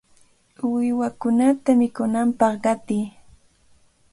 ¡Uywakunata mikunanpaq qatiy!